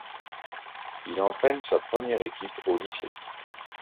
Il entraine sa première équipe au lycée.